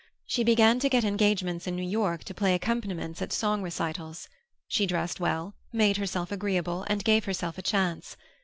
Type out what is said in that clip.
She began to get engagements in New York to play accompaniments at song recitals. She dressed well, made herself agreeable, and gave herself a chance.